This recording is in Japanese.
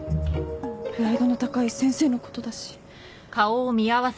プライドの高い先生のことだし。